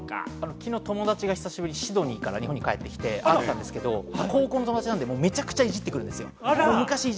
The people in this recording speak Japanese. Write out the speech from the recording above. きのう友達が久しぶりにシドニーから日本に帰ってきて会ってたんですけれども、高校の友達なのでめちゃくちゃいじってくるんですよ。